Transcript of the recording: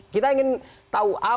kita ingin tahu apa sebenarnya